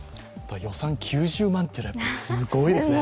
予算９０万っていうのは、やっぱすごいですね。